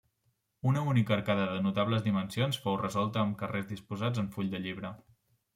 Una única arcada de notables dimensions fou resolta amb carreus disposats en full de llibre.